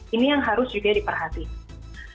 ini yang harus juga diperhatikan